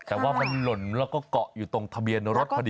แต่ว่ามันหล่นแล้วก็เกาะอยู่ตรงทะเบียนรถพอดี